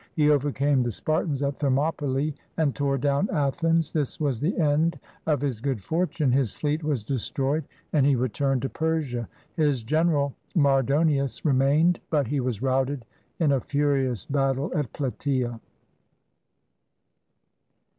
He overcame the Spar tans at Thermopylae and tore down Athens. This was the end of his good fortune. His fleet was destroyed, and he returned to Persia. His general, Mardonius, remained, but he was routed in a furious battle at Plataea.